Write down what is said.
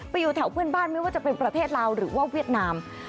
อยู่แถวเพื่อนบ้านไม่ว่าจะเป็นประเทศลาวหรือว่าเวียดนาม